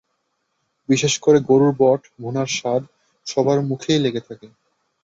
বিশেষ করে গরুর বট ভুনার স্বাদ সবার মুখেই লেগে থাকে।